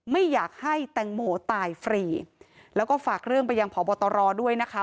ไม่อยากให้แตงโมตายฟรีแล้วก็ฝากเรื่องไปยังพบตรด้วยนะคะ